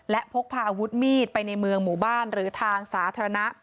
และพกพาอาวุธมีดไปในเมืองหมู่บ้านหรือทางสาธารณะ